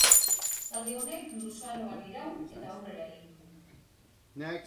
Talde honek luzaroan iraun eta aurrera egin du.